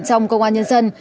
trong công an nhân dân